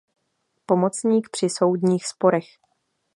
Pomocník při soudních sporech.